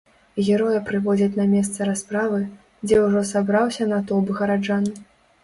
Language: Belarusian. Героя прыводзяць на месца расправы, дзе ўжо сабраўся натоўп гараджан.